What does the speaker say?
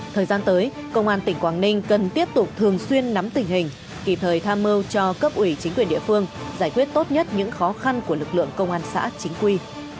thời gian tới công an tỉnh quảng ninh cần tiếp tục thường xuyên nắm tình hình kỳ thời tham mưu cho cấp ủy chính quyền địa phương giải quyết tốt nhất những khó khăn của lực lượng công an xã chính quy